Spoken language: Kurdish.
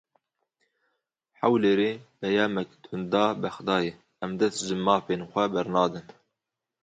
Hewlêrê peyamek tund da Bexdayê: Em dest ji mafên xwe bernadin.